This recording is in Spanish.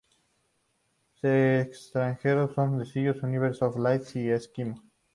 Se extrajeron dos sencillos: "Universe of Life" y "Eskimo".